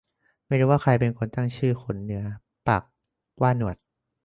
ไม่รู้ว่าใครเป็นคนตั้งชื่อขนเหนือปากว่าหนวด